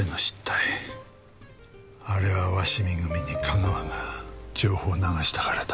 あれは鷲見組に架川が情報を流したからだ。